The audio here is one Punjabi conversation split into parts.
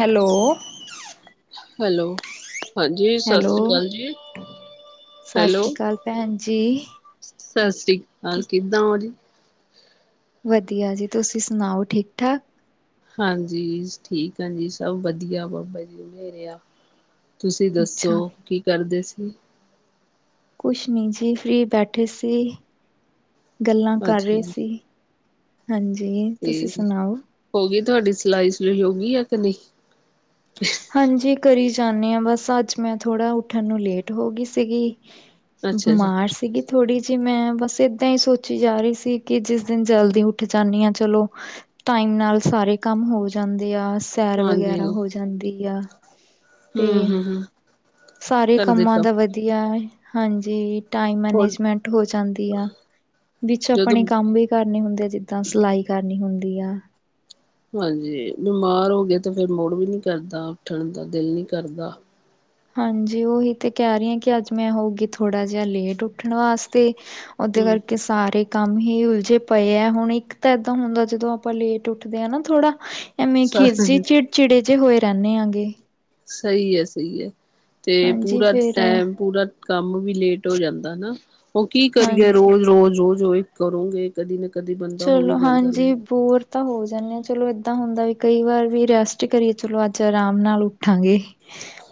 ਹੈਲੋ। ਹੈਲੋ। ਹਾਂਜੀ, ਸਤਿ ਹੈਲੋ ਸ੍ਰੀ ਅਕਾਲ ਜੀ। ਸਤਿ ਹੈਲੋ, ਸ਼੍ਰੀ ਅਕਾਲ ਭੈਣ ਜੀ। ਸਤਿ ਸ੍ਰੀ ਅਕਾਲ, ਕਿਦਾਂ ਹੋ ਜੀ? ਵਧੀਆ ਜੀ, ਤੁਸੀਂ ਸੁਣਾਓ ਠੀਕ- ਠਾਕ। ਹਾਂਜੀ, ਠੀਕ ਆ ਜੀ। ਸਭ ਵਧੀਆ ਬਾਬਾ ਜੀ ਉੇਰੇ ਆ। ਤੁਸੀਂ ਅੱਛਾ ਦੱਸੋ, ਕੀ ਕਰਦੇ ਸੀ? ਕੁਛ ਨੀ ਜੀ, ਫ੍ਰਰੀ ਬੈਠੇ ਸੀ ਗੱਲਾਂ ਕਰ ਅੱਛਾ ਰਹੇ ਜੀ ਸੀ। ਹਾਂਜੀ, ਤੁਸੀਂ ਤੇ ਸੁਣਾਓ? ਹੋ ਗਈ ਤੁਹਾਡੀ ਸਿਲਾਈ- ਸੁਲਾਈ ਹੋ ਗਈ ਆ, ਕਿ ਨਹੀਂ। ਹਾਂਜੀ, ਕਰੀ ਜਾਂਦੇ ਹਾਂ ਬਸ। ਅੱਜ ਮੈਂ ਥੋੜਾ ਉੱਠਣ ਨੂੰ, ਲੇਟ ਹੋ ਗਈ ਸੀਗੀ। ਅੱਛਾ ਜੀ ਬਿਮਾਰ ਸੀਗੀ। ਥੋੜੀ ਜਿਹੀ ਮੈਂ, ਬਸ ਏਦਾਂ ਹੀ ਸੋਚੀ ਜਾ ਰਹੀ ਸੀ। ਕਿ ਜਿਸ ਦਿਨ, ਜਲਦੀ ਉੱਠ ਜਾਂਦੀ ਹਾਂ ਚਲੋ। ਟਾਈਮ ਨਾਲ ਸਾਰੇ ਕੰਮ ਹੋ ਜਾਂਦੇ ਆ। ਤੈਰ ਹਾਂਜੀ ਵਗੈਰਾ ਹੋ ਜਾਂਦੀ ਆ। ਤੇ, ਹਮ ਹਮ ਹਮ ਸਾਰੇ ਕਰਦੇ ਕੰਮਾਂ ਕੰਮ ਦਾ ਵਧੀਆ ਹਾਂਜੀ। ਟਾਈਮ ਹੋਰ ਮੈਨੇਜਮੈਂਟ ਹੋ ਜਾਂਦੀ ਆ। ਵਿੱਚ ਜਦੋਂ ਆਪਣੇ ਕੰਮ ਵੀ ਕਰਨੇ ਹੁੰਦੇ ਆ। ਜਿੱਦਾਂ ਸਿਲਾਈ ਕਰਨੀ ਹੁੰਦੀ ਆ। ਹਾਂਜੀ, ਬਿਮਾਰ ਹੋ ਗਏ ਤੇ ਫੇਰ, ਮੁੜ ਵੀ ਨੀ ਕਰਦਾ ਉੱਠਣ ਦਾ, ਦਿਲ ਨੀ ਕਰਦਾ। ਹਾਂਜੀ, ਉਹੀ ਤੇ ਕਹਿ ਰਹੀ ਹਾਂ। ਕਿ ਅੱਜ ਮੈਂ ਹੋਊਗੀ, ਥੋੜਾ ਜਿਹਾ ਲੇਟ ਉੱਠਣ ਵਾਸਤੇ। ਉਹਦੇ ਹਮ ਕਰਕੇ ਸਾਰੇ ਕੰਮ ਹੀ ਉਲਝੇ ਪਏ ਹੈ। ਹੁਣ ਇੱਕ ਤਾਂ ਏਦਾਂ ਹੁੰਦਾ ਜਦੋਂ, ਆਪਾਂ ਲੇਟ ਉੱਠਦੇ ਹਾਂ ਨਾ ਥੋੜਾ। ਐਵੇਂ ਖੀਰ ਸ ਜੀ, ਚਿੜਚਿੜੇ ਜਿਹੇ ਹੋਏ ਰਹਿੰਦੇ ਆਂਗੇ। ਸਹੀ ਹੈ, ਸਹੀ ਹੈ। ਤੇ ਹਾਂਜੀ ਪੂਰਾ ਫੇਰ ਟੈਮ, ਪੂਰਾ ਕੰਮ ਵੀ ਲੇਟ ਹੋ ਜਾਂਦਾ ਹੈਾ। ਉਹ ਕੀ ਕਰੀਏ। ਰੋਜ਼- ਹਾਂਜੀ ਰੋਜ਼, ਰੋਜ਼ਹੀ ਕਰੋਂਗੇ ਕਦੀ, ਨਾ ਕਦੀ ਬੰਦਾ ਹੋ ਹੀ ਚਲੋ ਜਾਂਦਾ ਲੈਣ। ਹਾਂਜੀ ਬੋਰ ਤਾਂ ਹੋ ਜਾਂਦੇ ਆ। ਚਲੋ ਏਦਾਂ ਹੁੰਦਾ ਵੀ ਕਈ ਵਾਰ, ਵੀ ਰੈਸਟ ਕਰੀਏ ਚਲੋ ਅੱਜ ਆਰਾਮ ਨਾਲ ਉੱਠਾਂਗੇ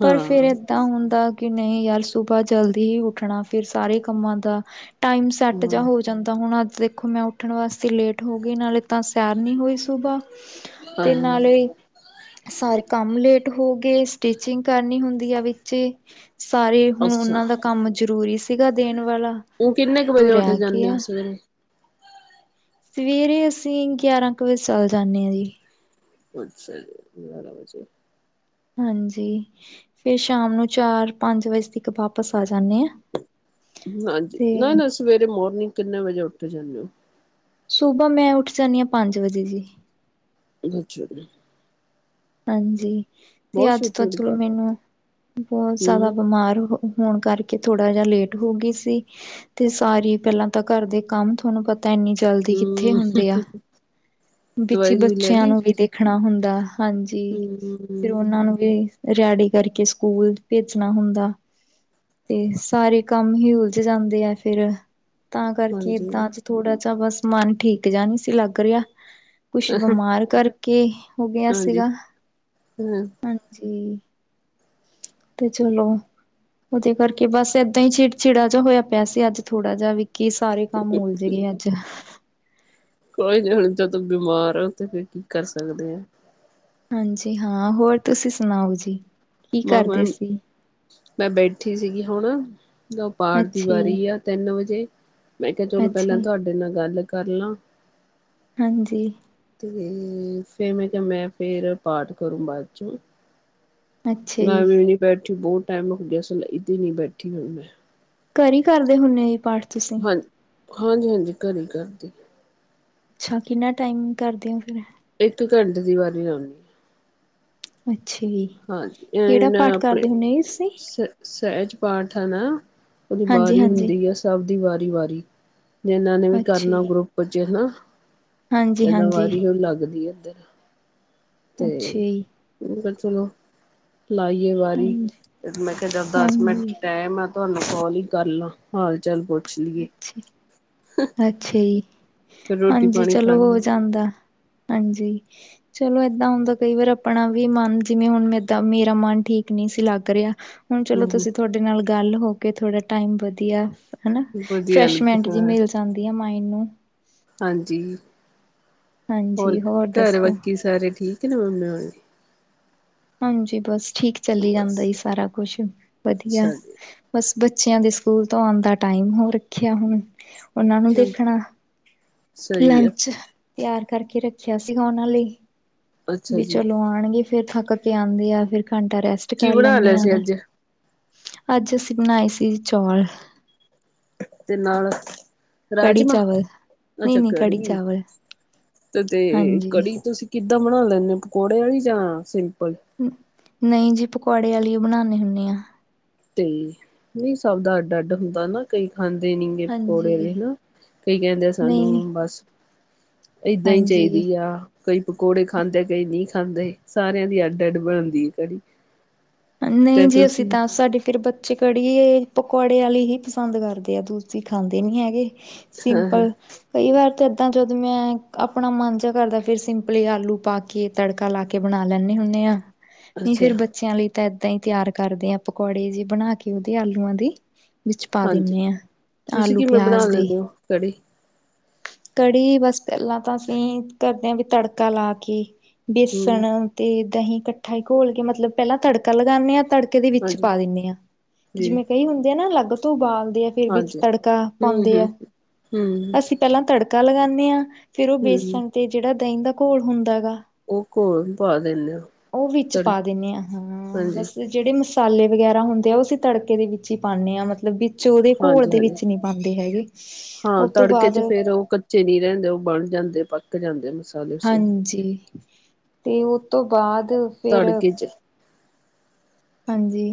ਪਰ ਹਾਂ ਫੇਰ ਤਾਂ ਹੁੰਦਾ ਕਿ ਨਹੀਂ ਯਾਰ, ਸੁਬਾਹ ਜਲਦੀ ਹੀ ਉੱਠਣਾ ਫੇਰ ਸਾਰੇ ਕੰਮਾਂ ਦਾ। ਟਾਈਮ ਸੈੱਟ ਜਿਹਾ ਹਾਂ ਹੋ ਜਾਂਦਾ। ਹੁਣ ਅੱਜ ਦੇਖੋ ਮੈਂ ਉੱ ਉੱਠਣ ਵਾਸਤੇ ਲੇਟ ਹੋ ਗਈ। ਨਾਲੇ ਤਾਂ ਸਿਆਰ ਨਹੀਂ ਹੋਈ, ਸੁਬਾ ਤੇ ਹਾਂ ਨਾਲੇ ਸਾਰੇ ਕੰਮ ਲੇਟ ਹੋ ਗਏ। ਸਟਿਚਿੰਗ ਕਰਨੀ ਹੁੰਦੀ ਆ ਵਿੱਚ। ਸਾਰੇ ਹੁਣ ਅੱਛਾ ਉਹਨਾਂ ਦਾ ਕੰਮ, ਜ਼ਰੂਰੀ ਸੀਗਾ ਦੇਣ ਵਾਲਾ, ਉਹ ਕਿੰਨੇ ਕੁ ਉਹ ਰਹਿ ਵਜੇ ਉੱਠ ਰਿਹਾ ਜਾਂਦੇ ਹੋ ਗਿਆ। ਸਵੇਰੇ ਸਵੇਰੇ ਅਸੀਂ ਗਿਆਰਾਂ ਕੁ ਵਜੇ ਚੱਲ ਜਾਂਦੇ ਹਾਂ ਜੀ। ਅੱਛਾ ਜੀ, ਗਯਾਰਹਾ ਵਜੇ। ਹਾਂਜੀ, ਫੇਰ ਸ਼ਾਮ ਨੂੰ ਚਾਰ, ਪੰਜ ਵਜੇ ਤੱਕ ਵਾਪਸ ਆ ਜਾਂਦੇ ਹਾਂ। ਹਾਂਜੀ, ਨਾ- ਨਾ, ਸਵੇਰੇ ਮੋਰਨਿੰਗ ਕਿੰਨੇ ਵਜੇ ਉੱਠ ਜਾਂਦੇ ਹੋ? ਸੁਬਾ ਮੈਂ ਉੱਠ ਜਾਂਦੀ ਹਾਂ, ਪੰਜ ਵਜੇ ਜੀ। ਅੱਛਾ ਜੀ। ਹਾਂਜੀ, ਤੇ ਬਹੁਤ ਅੱਜ ਛੇਤੀ ਤੋਂ ਉੱਠਦੇ ਚਲੋ ਹੋ ਮੈਨੂੰ, ਬਹੁਤ ਜ਼ਿਆਦਾ ਹੂੰ ਬਿਮਾਰ ਹੋ। ਹੋਣ ਕਰਕੇ ਥੋੜਾ ਜਿਹਾ, ਲੇਟ ਹੋ ਗਈ ਸੀ। ਤੇ ਸਾਰੀ ਪਹਿਲਾਂ ਤਾਂ, ਘਰ ਦੇ ਕੰਮ ਤੁਹਾਨੂੰ ਪਤਾ ਇੰਨੀ ਜਲਦੀ ਕਿੱਥੇ ਹੂੰ ਹੁੰਦੇ ਆ। ਵਿੱਚ ਦਵਾਈ ਦਵੂਈ ਲੈ ਬੱਚਿਆਂ ਲਈ ਨੂੰ ਵੀ ਦੇਖਣਾ ਹੁੰਦਾ ਹਾਂਜੀ। ਜੀ ਹੂੰ ਫੇਰ ਉਹਨਾਂ ਨੂੰ ਵੀ, ਰਿਹਾੜੀ ਕਰਕੇ ਸਕੂਲ ਭੇਜਣਾ ਹੁੰਦਾ। ਤੇ ਸਾਰੇ ਕੰਮ ਹੀ, ਉਲਝ ਜਾਂਦੇ ਆ ਫੇਰ। ਤਾਂ ਕਰਕੇ ਹਾਂਜੀ ਏਦਾਂ ਚ ਥੋੜਾ ਜਿਹਾ, ਬਸ ਮਨ ਠੀਕ ਜਾਹਾ ਨਹੀਂ, ਸੀ ਲੱਗ ਰਿਹਾ। ਕੁਛ ਬਿਮਾਰ ਕਰਕੇ, ਹੋ ਗਿਆ ਹਾਂਜੀ ਸੀਗਾ ਹੂ ਹਾਂਜੀ ਤੇ ਚਲੋ ਉਹਦੇ ਕਰਕੇ ਬਸ ਏਦਾਂ ਹੀ ਚਿੜ ਚਿੜਾ ਜਿਹਾ ਹੋਇਆ ਪਿਆ ਸੀ, ਅੱਜ ਥੋੜਾ ਜਿਹਾ ਵੀ ਕੀ ਸਾਰੇ ਕੰਮ ਉਲਝ ਗਏ ਅੱਜ। ਕੋਈ ਨੀ, ਹੁਣ ਜਦੋਂ ਬਿਮਾਰ ਹੋ ਤੇ ਫਿਰ ਕੀ ਕਰ ਸਕਦੇ ਆ। ਹਾਂਜੀ ਹਾਂ, ਹੋਰ ਤੁਸੀਂ ਸੁਣਾਓ ਜੀ, ਕੀ ਮ ਕਰਦੇ ਸੀ। ਮੈਂ ਬੈਠੀ ਸੀਗੀ ਹੁਣ, ਪਾਠ ਦੀ ਅੱਛਾ ਜੀ ਵਾਰੀ ਆ, ਤਿੰਨ ਵਜੇ। ਮੈਂ ਕਿਹਾ, ਚਲੋ ਅੱਛਾ ਪਹਿਲਾਂ ਜੀ ਤੁਹਾਡੇ ਨਾਲ ਗੱਲ ਕਰ ਲਾਂ। ਹਾਂਜੀ ਤੇ ਫੇਰ, ਮੈਂ ਕਿਹਾ ਮੈਂ ਫੇਰ ਪਾਠ ਕਰੂੰ, ਬਾਅਦ ਚੋਂ। ਅੱਛਾ ਜੀ ਮੈਂ ਵੀ ਨੀ ਬੈਠੀ, ਬਹੁਤ ਟਾਈਮ ਹੋ ਗਿਆ, ਸਿਲਾਈ ਤੇ ਨੀ ਬੈਠੀ, ਹੁਣ ਮੈਂ ਘਰ ਹੀ ਕਰਦੇ ਹੁੰਦੇ, ਇਹ ਪਾਠ ਤੁਸੀਂ ਹਾਂ ਹਾਂਜੀ ਹਾਂਜੀ ਘਰੇ ਹੀ ਕਰਦੀ ਅੱਛਾ, ਕਿੰਨਾ ਟਾਈਮ ਕਰਦੇ ਹੋ ਫਿਰ ਐ ਇੱਕ ਘੰਟੇ ਦੀ ਵਾਰੀ ਆਉਦੀ। ਅੱਛਾ ਜੀ ਹਾਂਜੀ ਇਹਨਾ ਕਿਹੜਾ ਨੇ ਪਾਠ ਆਪਣੇ ਕਰਦੇ ਹੁੰਨੇ ਜੀ ਤੁਸੀਂ ਸਿਰ ਸਹਿਜ ਪਾਠ ਹੈ ਨਾ, ਉਹਦੀ ਹਾਂਜੀ ਵਾਰੀ ਹਾਂਜੀ ਹੁੰਦੀ ਆ, ਸਭ ਦੀ ਵਾਰੀ ਵਾਰੀ। ਜਿੰਨਾਨੇ ਨੇ ਵੀ ਅੱਛਾ ਕਰਨਾ, ਜੀ ਗਰੁੱਪ ਚ ਨਾ, ਦਾ ਹਾਂਜੀ-ਹਾਂਜੀ, ਵਾਰੀ ਉਹ ਲੱਗਦੀ ਇਧਰ। ਤੇ ਅੱਛਾ ਜੀ, ਫਿਰ ਗੱਲ ਸੁਣੋ ਲਾਈ ਏ ਵਾਰੀ, ਹਾਂਜੀ, ਮੈਂ ਕਿਹਾਚਲ ਦਸ ਮਿੰਟ, ਹਾਂਜੀ। ਟਾਈਮ ਆ ਤੁਹਾਨੂੰ ਕਾਲ ਹੀ ਕਰ ਲਾ, ਹਾਲ ਚਾਲ ਪੂ ਅੱਛਾ ਜੀ, ਫਿਰ ਰੋਟੀ ਹਾਂਜੀ ਪਾਣੀ ਖਾ ਚਲੋ ਲ ਹੋ ਜਾਂਦਾ ਹਾਂਜੀ ਚਲੋ ਏਦਾਂ ਹੁੰਦਾ ਕਈ ਵਾਰ ਆਪਣਾ ਵੀ ਮਨ, ਜਿਵੇਂ ਹੁਣ ਮਦਾਂ ਮੇਰਾ ਮਨ ਠੀਕ ਨਹੀਂ ਸੀ ਲੱਗ ਰਿਹਾ। ਹੁਣ ਚਲੋ ਹਮ ਤੁਸੀਂ ਤੁਹਾਡੇ ਨਾਲ ਗੱਲ ਹੋ ਕੇ, ਥੋੜ੍ਹਾ ਟਾਈਮ ਵਧੀਆ ਹੈਨਾ। ਹਮ ਵਧੀਆ ਲੱਗ ਫਰੈਸ਼ਮੈਂਟ ਜੀ ਹਾਂ ਮਿਲ ਜਾਂਦੀ ਐ, ਮਾਇੰਡ ਨੂੰ। ਹਾਂਜੀ, ਹੋਰ ਹਾਂਜੀ ਘਰ ਦੱਸੋ? ਬਾਕੀ ਸਾਰੇ ਠੀਕ ਨਾ, ਮੰਮੇ ਵਾਲੇ। ਹਾਂਜੀ, ਬਸ ਠੀਕ ਚੱਲ ਜਾਂਦਾ ਬਸ ਸਾਰਾ ਕੁਛ, ਵਧੀਆ ਅੱਛਾ ਜੀ ਬਸ ਬੱਚਿਆਂ ਦੇ ਸਕੂਲ ਤੋਂ ਆਉਂ ਦਾ ਟਾਈਮ ਹੋ ਰੱਖਿਆ, ਹੁਣ ਉਹਨਾਂ ਨੂੰ ਦੇਖਣਾ। ਸਹੀ ਆ ਲੰਚ ਤਿਆਰ ਕਰਕੇ ਰੱਖਿਆ ਸੀ ਉਹਨਾਂ ਲਈ, ਅੱਛਾ ਵੀ ਜੀ ਚਲੋ ਆਉਣਗੇ। ਫਿਰ ਥੱਕ ਕੇ ਆਉਂਦੇ ਆ, ਫਿਰ ਘੰਟਾ ਰੈਸਟ ਕੀ ਕਰ ਬਣਾ ਲੈਂਨੀ ਲਿਆ ਆ ਸੀ ਮੈਂ। ਅੱਜ ਅੱਜ ਅਸੀਂ ਬਣਾਏ ਸੀ, ਚੌਲ ਤੇ ਨਾਲ ਕੜੀ ਰਾਜਮਾਂ, ਚਾਵਲ ਅੱਛਾ ਨਈ-ਨਈ ਕੜੀ, ਚਾਵਲ ਤੇ ਤੇ ਹਾਂਜੀ। ਕੜੀ ਤੁਸੀ ਕਿੱਦਾਂ ਬਣਾ ਲੈਂਨੇ ਔ, ਪਕੌੜੇ ਵਾਲੀ ਜਾਂ ਸਿੰਪਲ ਨਹੀਂ ਜੀ, ਪਕੌੜੇ ਵਾਲੀ ਹੀ ਬਣਾਉਂਨੇ ਹੁੰਨੇ ਹਾਂ ਤੇ, ਨਹੀਂ ਸਭ ਦਾ ਅੱਡ ਅੱਡ ਹੁੰਦਾ ਨਾ ਕਈ ਖਾਂਦੇ ਨੀਗੇ ਪਕੌੜੇ ਹਾਂਜੀ ਹ ਨਾ, ਕਈ ਕਹਿੰਦੇ ਨਈ ਸਾਨੂੰ ਬਸ ਏਦਾਂ ਹੀ ਹਾਂਜੀ। ਚਾਹੀਦੀ ਆ ਕਈ ਪਕੌੜੇ ਖਾਂਦੇ, ਕਈ ਨਹੀਂ ਖਾਂਦੇ, ਸਾਰਿਆਂ ਦੀ ਅੱਡ ਅੱਡ ਬਣਦੀ ਹੈ ਕੜੀ। ਨਹੀਂ ਤੇ ਜੀ, ਅਸੀਂ ਤੁਸੀਂ ਤਾਂ ਸਾਡੇ ਫਿਰ ਬੱਚੇ ਕੜੀ ਏ ਪਕੌੜੇ ਵਾਲੇ ਹੀ ਪਸੰਦ ਕਰਦੇ ਆ, ਦੂਸਰੀ ਖਾਂਦੇ ਨੀ ਹੈਗੇ। ਹਾਂ ਹਾਂ ਸਿੰਪਲ ਕਈ ਵਾਰ ਤਾਂ ਇੱਦਾਂ, ਜਦੋਂ ਮੈਂ ਆਪਣਾ ਮਨ ਜਿਹਾ ਕਰਦਾ, ਫਿਰ ਸਿੰਪਲੀ ਆਲੂ ਪਾ ਕੇ ਤੜਕਾ ਲਾ ਕੇ ਬਣਾ ਲੈਂਨੇ ਹੁੰਨੇ ਆਂ, ਨਹੀਂ ਅੱਛਾ ਫੇਰ ਬੱਚਿਆਂ ਲਈ ਤਾਂ ਏਦਾਂ ਹੀ ਤਿਆਰ ਕਰਦੇ ਹਾਂ, ਪਕੌੜੇ ਜਿ ਬਣਾ ਕੇ ਉਹਦੇ ਆਲੂਆਂ ਦੀ। ਵਿੱਚ ਪਾ ਹਾਂਜੀ ਦਿੰਨੇ ਆਂ, ਤੁਸੀਂ ਆਲੂ ਕਿਵੇਂ ਬਣਾ ਪਿਆਜ ਦੇ। ਲੈਂਦੇ ਹੋ ਕੜੀ ਕੜੀ ਬਸ ਪਹਿਲਾਂ ਤਾਂ ਅਸੀਂ ਕਰਦੇ ਹਾਂ ਵੀ ਤੜਕਾ ਲਾ ਕੇ। ਹਮ ਬੇਸਣ ਤੇ ਦਾਂਹੀ ਇਕੱਠਾ ਘੋਲ ਕੇ ਮਤਲਬ ਪਹਿਲਾਂ ਤੜਕਾ ਲਗਾਉਂਦੇ ਹਾਂ ਤੜਕਾ ਦੇ ਵਿੱਚ ਹਾਂਜੀ ਪਾ ਦਿੰਦੇ ਹਾਂ ਜੀ ਜਿਵੇਂ ਕਈ ਹੁੰਦੇ ਆ ਨਾ ਅੱਗ ਤੋਂ ਉਬਾਲਦੇ ਆ ਨਾ। ਫਿਰ ਵਿੱਚ ਹਾਂਜੀ ਤੜਕਾ ਹੂੰ ਪਾਉਂਦੇ ਹੂੰ ਆ ਹੂੰ ਅਸੀਂ। ਪਹਿਲਾਂ ਤੜਕਾ ਲਗਾਉਂਦੇ ਹਾਂ ਫੇਰ ਉਹ ਹੂੰ ਬੇਸਣ ਤੇ ਜਿਹੜਾ ਦਹੀਂ ਦਾ ਘੋਲ ਹੁੰਦਾ ਗਾ ਉਹ ਘੋਲ ਪਾ ਦਿੰਦੇ ਆ ਉਹ ਵਿੱਚ ਤੜ ਪਾ ਦਿਨੇ ਆ ਹਾਂ। ਹਾਂਜੀ ਬਸ ਜਿਹੜੇ ਮਸਾਲੇ ਵਗੈਰਾ ਹੁੰਦੇ ਆ ਉਹ ਅਸੀਂ ਤੜਕੇ ਦੇ ਵਿੱਚ ਹੀ ਪਾਦੇ ਹਾਂ ਮਤਲਬ ਕਿ। ਵਿੱਚ ਉਹਦੇ ਘੋਲ ਹਾਂਜੀ ਦੇ ਹਾਂਜੀ ਵਿੱਚ ਨੀ ਪਾਉਂਦੇ ਹੈਗੇ ਉਸ ਤੋਂ ਬਾਅਦ। ਵਿੱਚ ਨਹੀਂ ਰਹਿੰਦੇ ਉਹ ਬਣ ਜਾਂਦੇ ਪੱਕ ਜਾਂਦੇ। ਮਸਾਲੇ ਮਸੂਲੇ ਹਾਂਜੀ ਤੇ ਉਸ ਤੋਂ ਬਾਅਦ। ਫਿਰ ਤੜਕੇ ਚ। ਹਾਂਜੀ,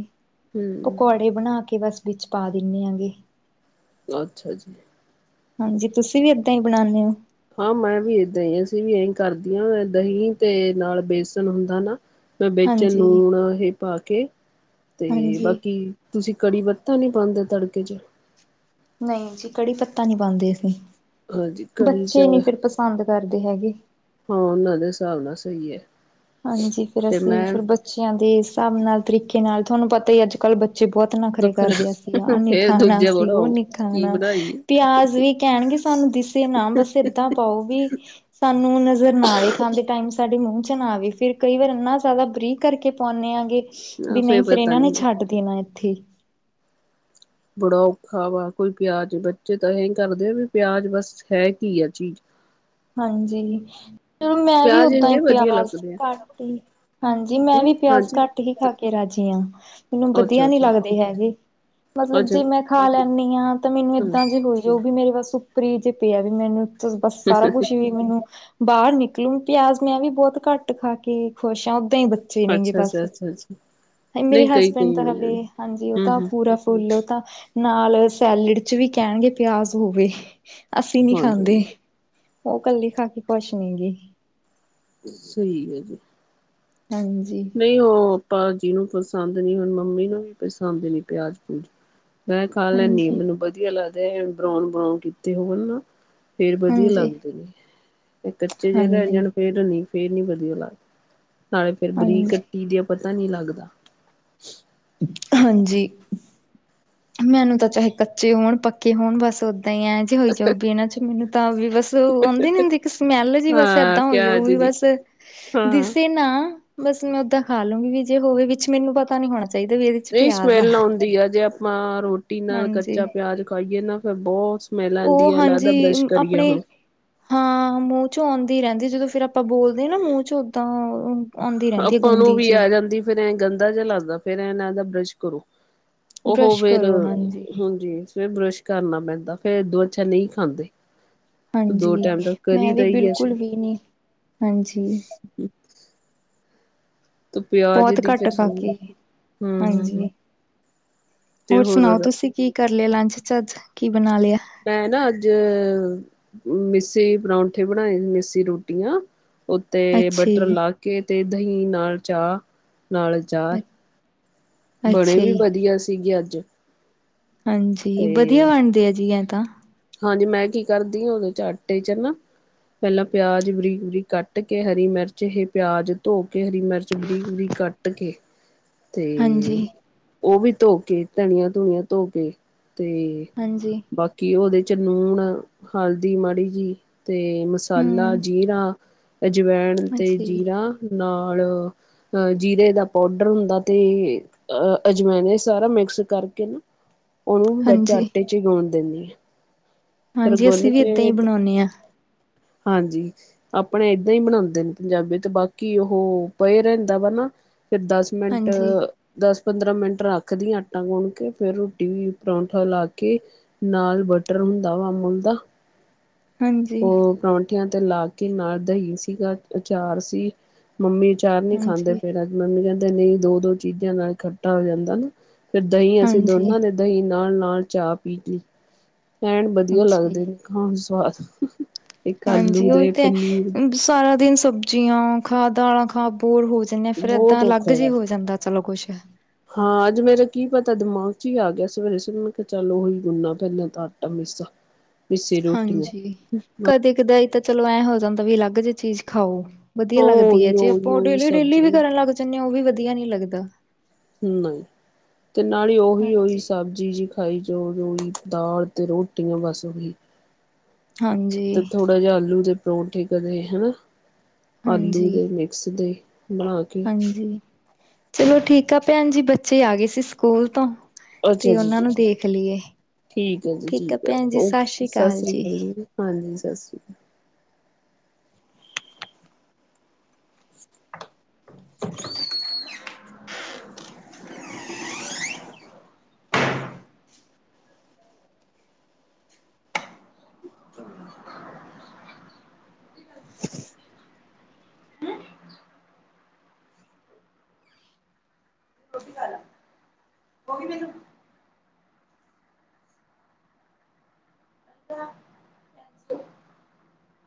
ਹੂੰ ਪਕੌੜੇ ਬਣਾ ਕੇ ਬਸ ਵਿੱਚ ਪਾ ਦਿੰਦੇ ਹੈਗੇ। ਅੱਛਾ ਜੀ। ਹਾਂਜੀ, ਤੁਸੀਂ ਵੀ ਇਦਾਂ ਹੀ ਬਣਾਉਂਦੇ ਹੋ? ਹਾਂ ਮੈਂ ਵੀ ਏਦਾਂ ਈ ਅਸੀਂ ਵੀ ਇਹੀ ਕਰਦੀਆ ਦਹੀਂ ਤੇ ਨਾਲ ਬੇਸਣ ਹੁੰਦਾ ਨਾ। ਵਿੱਚ ਹਾਂਜੀ ਲੂਣ ਇਹ ਪਾ ਕੇ ਅਤੇ ਹਾਂਜੀ ਬਾਕੀ। ਤੁਸੀਂ ਕੜੀ ਪੱਤਾ ਨਹੀਂ ਪਾਉਂਦੇ ਤੜਕੇ ਚ। ਨਹੀਂ ਜੀ ਕੜੀ ਪੱਤਾ ਨਹੀਂ ਪਾਉਦੇ ਅਸੀਂ ਹਾਂਜੀ ਕੜੀ ਚ ਬੱਚੇ ਨਹੀਂ ਫਿਰ ਪਸੰਦ ਕਰਦੇ ਹੈਗੇ। ਹਾਂ ਉਹਨਾਂ ਦੇ ਹਿਸਾਬ ਨਾਲ ਸਹੀ ਹੈ। ਹਾਂਜੀ ਫੇਰ ਤੇ ਅਸੀਂ ਮੈਂ ਫਿਰ ਬੱਚਿਆਂ ਦੇ ਹਿਸਾਬ ਨਾਲ ਤਰੀਕੇ ਨਾਲ ਤੁਹਾਨੂੰ ਪਤਾ ਹੀ ਅੱਜ ਕੱਲ੍ਹ ਬੱਚੇ ਬਹੁਤ ਬਹੁਤ ਨਖਰੇ ਕਰਦੇ ਅਸੀ ਵੱਖਰਾ ਆਹ ਨੀ ਫੇਰ ਖਾਣਾ ਦੂਜੇ ਸੀ ਉਹ ਬਣਾਓ ਨੀ ਕੀ ਖਾਣਾ। ਬਣਾਈਏ ਪਿਆਜ ਵੀ ਕਹਿਣਗੇ ਸਾਨੂੰ ਦਿਸੇ ਨਾ ਬਸ ਏਦਾਂ ਪਾਓ ਵੀ ਸਾਨੂੰ ਨਜ਼ਰ ਨਾ ਆਵੇ ਖਾਂਦੇ ਟਾਈਮ ਸਾਡੇ ਮੂੰਹ ਚ ਨਾ ਆਵੇ। ਫਿਰ ਕਈ ਵਾਰ ਇੰਨਾ ਜ਼ਿਆਦਾ ਬਰੀਕ ਕਰਕੇ ਪਾਉਂਦੇ ਆ ਗੇ ਆ ਵੀ ਨਹੀਂ ਫੇਰ ਪਤਾ ਇਹਨਾਂ ਨੇ ਨੀ ਛੱਡ ਦੇਣਾ ਇੱਥੇ। ਬੜਾ ਔਖਾ ਵਾ ਕੋਈ ਪਿਆਜ ਬੱਚੇ ਤਾਂ ਐ ਕਰਦੇ ਆ ਵੀ ਪਿਆਜ ਬਸ। ਹੈ ਕੀ ਆ ਚੀਜ਼। ਹਾਂਜੀ ਚਲੋ ਮੈਂ ਵੀ ਪਿਆਜ ਓਦਾਂ ਹੀ ਇੰਨੇ ਵਧੀਆ ਪਿਆਜ ਲੱਗਦੇ ਆ ਘੱਟ ਹਾਂਜੀ ਮੈਂ ਹੂੰ ਵੀ ਪਿਆਜ ਹਾਂਜੀ ਘੱਟ। ਹੀ ਖਾ ਕੇ ਰਾਜੀ ਹਾਂ ਮੈਨੂੰ ਅੱਛਾ ਵਧੀਆ ਨੀ ਅੱਛਾ ਲੱਗਦੇ ਹੈਗੇ ਮਤਲਬ ਅੱਛਾ ਜੇ ਮੈਂ। ਖਾ ਲੈਂਦੀ ਹਾਂ ਤਾਂ ਮੈਨੂੰ ਹੂੰ ਏਦਾਂ ਜੇ ਹੋਈ ਉਹ ਵੀ ਮੇਰੇ ਬਸ ਉੱਪਰ ਹੀ ਜੇ ਪਿਆ ਵੀ ਮੈਨੂੰ ਬ ਸਾਰਾ ਕੁਛ ਵੀ ਮੈਨੂੰ ਬਾਹਰ ਨਿਕਲੂ ਪਿਆਜ ਮੈਂ ਵੀ ਬਹੁਤ ਘੱਟ ਖਾ ਕੇ ਖੁਸ਼ ਆ ਓਦਾਂ ਹੀ ਬੱਚੇ। ਅੱਛਾ ਅੱਛਾ ਬਸ ਅੱਛਾ ਅੱਛਾ ਮੇਰੇ ਨਹੀਂ ਕਈ ਹਸਬੈਂਡ ਕਈ ਤਾਂ ਹਾਲੇ ਹੂੰ ਹਾਂਜੀ ਉਹ ਤਾਂ ਹੂੰ ਪੂਰਾ। ਫੁੱਲੋ ਤਾਂ ਨਾਲ ਸੈਲਡ ਚ ਵੀ ਕਹਿਣਗੇ ਪਿਆਜ ਹੋਵੇ। ਅਸੀਂ ਨਹੀਂ ਹਾਂਜੀ ਖਾਂਦੇ ਹਾਂਜੀ ਉਹ ਕੱਲੇ ਖਾ ਕੇ ਖ਼ੁਸ਼ ਨਹੀਂ ਗ। ਸਹੀ ਹੈ ਜੀ। ਹਾਂਜੀ। ਨਹੀਂ ਉਹ ਭਾਜੀ ਨੂੰ ਪਸੰਦ ਨਹੀਂ ਹੁਣ ਮੰਮੀ ਨੂੰ ਵੀ ਪਸੰਦ ਨੀ ਪਿਆਜ ਪਿਊਜ਼। ਮੈਂ ਖਾ ਲੈਂਦੀ ਆਾ ਹਾਂਜੀ, ਮੈਨੂੰ ਵਧੀਆ ਲੱਗਦੇ ਆ ਬਰਾਉਣ ਬਰਾਉਨ ਕੀਤੇ ਹੋਣ ਨਾ। ਫੇਰ ਵਧੀਆ ਹਾਂਜੀ, ਲੱਗਦੇ ਨੇ ਤੇ ਕੱਚੇ ਜਿਹੇ ਤੇ। ਹਾਂਜੀ, ਫਿਰ ਨ ਫੇਰ ਨੀ ਵਧੀਆ ਲੱਗਦਾ ਨਾਲੇ ਫੇਰ ਬਰੀਕ ਹਾਂਜੀ, ਕੱਟੀ ਦੇ ਪਤਾ ਨੀ ਲੱਗਦਾ। ਹਾਂਜੀ ਮੈਨੂੰ ਤਾਂ ਚਾਹੇ ਕੱਚੇ ਹੋਣ ਪ। ਕਿ ਹੁਣ ਬਸ ਓਦਾਂ ਹੀ ਐਂ ਜੇ ਹੋਈ ਜਾਊਗੀ ਇਹਨਾਂ ਚ ਮੈਨੂੰ। ਇਦਾਂ ਵੀ ਬਸ ਆਉਂਦੀ ਨੀ ਹੁੰਦੀ ਇੱਕ ਸਮੈਲ ਜਿਹੀ ਬਸ ਹਾਂ ਏਦਾਂ ਹੋਈ ਉਹ ਪਿਆਜ ਵੀ ਦੀ ਬਸ ਹਾਂ ਦਿਸੇ ਨਾ ਬਸ ਮੈਂ ਓਦਾਂ ਖਾ ਲੂੰਗੀ ਵੀ ਜੇ ਹੋਵੇ ਵਿੱਚ ਮੈਨੂੰ ਪਤਾ ਨਹੀਂ ਹੋਣਾ ਚਾਹੀਦਾ ਵੀ ਇਹ ਨਹੀਂ ਸਮੈਲ ਆਉਂਦੀ ਆ ਜੇ ਆਪਾਂ ਰੋਟੀ ਨਾਲ ਕੱਚਾ ਹਾਂਜੀ। ਪਿਆਜ ਖਾਈਏ ਨਾ ਫਿਰ ਬਹੁਤ। ਸਮੈਲ ਲਾਂਉਂਦੀ ਉਹ ਆ ਲਗਦਾ ਬਰਸ਼ ਹਾਂਜੀ ਕਰੀਏ ਆਪਣੇ ਹੁਣ। ਹਾਂ ਮੂੰਹ ਚ ਆਉਂਦੀ ਰਹਿੰਦੀ ਜਦੋਂ ਫੇਰ ਆਪਾਂ ਬੋਲਦੇ ਹਾਂ ਨਾ ਮੂੰਹ ਚ ਓਦਾਂ। ਆਉਂਦੀ ਰਹਿੰਦੀ ਹੈ ਆਪਾਂ ਨੂੰ ਗੰਦੀ ਵੀ ਜੀ। ਆ ਜਾਂਦੀ ਫੇਰ ਐਂ ਗੰਦਾ ਜਿਹਾ ਲਗਦਾ ਫੇਰ ਐ ਲਗਦਾ ਬਰਸ਼ ਕਰੋ। ਉਹੋ ਬਰੱਸ਼ ਫੇਰ ਕਰੋ ਹਾਂਜੀ ਫਿਰ ਬਰਸ਼ ਕਰਨਾ ਪੈਂਦਾ ਫੇਰ ਦੋ ਅੱਛਾ ਨਹੀਂ ਖਾਂਦੇ। ਦੋ ਹਾਂਜੀ ਟਾਈਮ ਦਾ ਮੈਂ ਕਰੀ ਦਾ ਵੀ ਹੀ ਅਛ ਬਿਲਕੁਲ ਵੀ ਨੀ ਹਾਂਜੀ ਤੇ ਪਿਆਜ ਬਹੁਤ ਦੀ ਫਿਰ ਘੱਟ ਖਾਕੇ ਹੂੰ-ਹੂੰ-ਹੂੰ। ਹਾਂਜੀ ਹੋਰ ਸੁਣਾਓ ਤੁਸੀਂ ਕੀ ਕਰ ਲਿਆ ਲੰਚ ਚ ਅੱਜ ਕੀ ਬਣਾ ਲਿਆ ਮੈਂ ਨਾ ਅੱਜ ਮਿਸੇ ਪਰੌਂਠੇ ਬਣਾਏ ਮਿਸੀ ਰੋਟੀਆਂ। ਉਹ ਤੇ ਅੱਛਾ ਬਟਰ ਜੀ। ਲਾ ਕੇ ਤੇ ਦਹੀਂ ਨਾਲ ਚਾਹ ਨਾਲ ਚਾਰ ਬਣੇ ਅੱਛਾ ਵੀ ਜੀ, ਵਧੀਆ ਸੀਗੇ ਅੱਜ ਹਾਂਜੀ ਵਧੀਆ ਤੇ ਬਣਦੇ ਆ ਜੀ ਐ ਤਾਂ ਹਾਂਜੀ ਮੈਂ ਕੀ ਕਰਦੀ ਹਾਂ ਉਹਦੇ ਚ ਆਟੇ ਚ ਨਾ ਪਹਿਲਾਂ ਪਿਆਜ ਵਰੀਕ ਬੁਰੀ ਕੱਟ ਕੇ ਹਰੀ ਮਿਰਚ ਇਹ ਪਿਆਜ ਧੋ ਕੇ ਹਰੀ ਮਿਰਚ ਚ ਬਰੀਕ ਬਰੀ ਕੱਟ ਕੇ ਤੇ ਹਾਂਜੀ। ਉਹ ਵੀ ਧੋ ਕੇ ਧਨੀਆਂ ਧੁਣੀਆਂ ਧੋ ਕੇ ਤੇ ਹਾਂਜੀ ਬਾਕੀ ਉਹਦੇ 'ਚ ਲੂਣ ਹਲਦੀ ਮੜੀ ਜੀ ਅਤੇ ਮਸਾਲਾ ਹੂੰ ਜੀਰਾ ਅਜਵਾਇਣ ਤੇ ਅੱਛਾ ਜੀ, ਜੀਰਾ ਨਾਲ ਜੀਰੇ ਦਾ ਪਾਊਡਰ ਹੁੰਦਾ ਅਤੇ ਅ ਅਜਮਾਇਨ ਸਾਰਾ ਮਿਕਸ ਕਰਕੇ ਨਾ ਉਹਨੂੰ ਬ ਹਾਂਜੀ। ਆਟੇ ਚ ਹੀ ਗਗਾਉਣ ਦਿੰਦੀ ਆ ਫਿਰ ਹਾਂਜੀ ਗੁੰਨ ਅਸੀਂ ਵੀ ਇਏਦਾਂ ਹੀ ਕੇ ਬਣਾਉਂਦੇ ਹਾਂ ਹਾਂਜੀ ਆਪਣੇ ਏਦਾਂ ਹੀ ਬਣਾਉਂਦੇ ਨੇ ਪੰਜਾਬੀ ਤੇ ਬਾਕੀ ਉਹ ਪਏ ਰਹਿੰਦਾ ਵਾ ਨਾ ਫਿਰ ਦਸ ਮੈਂਟ ਹਾਂਜੀ, ਦਸ ਪੰਦਰਾਂ ਮਿੰਟ ਰੱਖਦੀ ਆਟਾ ਗੁਣ ਕੇ ਫੇਰ ਰੋਟੀ ਵੀ ਪਰੌਂਠਾ ਲ ਕੇ ਨਾਲ ਬਟਰ ਹੁੰਦਾ ਵਾ ਅਮੂਲ ਦਾ ਹਾਂਜੀ, ਉਹ ਪਰੌਂਠਿਆਂ ਤੇ ਲਾ ਕੇ ਨਾਲ ਦਹੀਂ ਸੀਗਾ ਅਚਾਰ ਸੀ ਮੰਮੀ ਚਾਰ ਨਹੀਂ ਖਾਂਦੇ ਹਾਂਜੀ। ਫਿਰ ਅੱਜ ਮੰਮੀ ਕਹਿੰਦੇ ਨਹੀਂ ਦੋ ਦੋ ਚੀਜ਼ਾਂ ਨਾਲ ਇਕੱਠਾ ਹੋ ਜਾਂਦਾ ਨਾ ਫਿਰ ਦਹੀਂ ਅਸੀਂ ਹਾਂਜੀ, ਦੋਨਾਂ ਨੇ ਦਹੀਂ ਨਾਲ ਨਾਲ ਚਾਹ ਪੀ ਲਈ ਐਣ ਵਧੀਆ ਅੱਛਾ ਜੀ, ਲੱਗਦੇ ਨੇ ਖਾਣ ਸਵਾਦ ਇੱਕ ਹਾਂਜੀ ਆਲੂ ਉਹੀ ਦੇ ਤਾਂ ਪਨੀਰ ਹੈ ਸਾਰਾ ਦਿਨ ਸਬਜ਼ੀਆਂ ਖਾ ਦਾਲਾਂ ਖਾ ਬੋਰ ਹੋ ਜਾ ਜਿੰਨੇ ਫਿਰ ਏਦਾਂ ਬਹੁਤ ਔਖਾ ਅਲੱਗ ਜਿ ਵਾ ਹੋ ਜਾਂਦਾ ਚਲੋ ਕੁੱਛ ਹਾਂ ਅੱਜ ਮੇਰਾ ਕੀ ਪਤਾ ਦਿਮਾਗ ਚ ਹੀ ਆ ਗਿਆ ਸਵੇਰੇ ਸ ਕਿਹਾ ਚੱਲ ਉਹੀ ਗੁੰਨਾ ਪਹਿਲਾਂ ਤਾਂ ਆਟਾ ਮੇਸਾ?? ਹਾਂਜੀ ਕਦੇ ਕਦਾ ਇਹ ਤਾਂ ਚਲੋ ਐਂ ਹੋ ਜਾਂਦਾ ਵੀ ਅਲੱਗ ਜਿ ਚੀਜ਼ ਖਾਓ ਵਧੀਆ ਲੱਗਦੀ ਹੈ ਉਹੀ ਜੇ ਉਹੀ ਆਪਾਂ ਉਹ ਉਹੀ ਡੇਲੀ ਡੇਲੀ ਸਬਜ਼ੀ ਵੀ ਕਰਨ ਲੱਗ ਉਹ ਵੀ ਵਧੀਆ ਨਹੀਂ ਲੱਗਦਾ ਹਮ ਤੇ ਨਾਲ ਹੀ ਉਹੀ ਉਹੀ ਹਾਂਜੀ ਸਬਜ਼ੀ ਜਿ ਖਾਈ ਜੋ ਜੋਈ ਦਾਲ ਤੇ ਰੋਟੀਆਂ ਬਸ ਉਹੀ ਤੇ ਹਾਂਜੀ ਥੋੜਾ ਜਿਹਾ ਆਲੂ ਦੇ ਪਰੌਂਠੀ ਕਰਦੇ ਹਨਾ ਆਲੂ ਹਾਂਜੀ ਦੇ ਮਿਕਸ ਦੇ ਬਣਾ ਕੇ ਹ ਚਲੋ ਠੀਕ ਆ ਭੈਣ ਜੀ ਬੱਚੇ ਆ ਗਏ ਸੀ ਸਕੂਲ ਤੋਂ ਅੱਛਾ ਤੇ ਉਹਨਾਂ ਜੀ ਨੂੰ ਦੇਖ ਲਈਏ ਠੀਕ ਹੈ ਜੀ ਠੀਕ ਹੈ ਓਕੇ ਸਤਿ ਸ਼੍ਰੀ ਅਕਾਲ ਜੀ ਹਾਂਜੀ ਸਤਿ ਸ਼੍ਰੀ ਅਕਾਲ ਰੋਟੀ ਖਾ ਲਾ ਹੋਗੀ ਮੈਨੂੰ